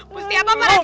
mesti apa pak rete